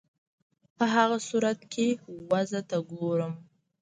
په هغه صورت کې وضع ته ګورم.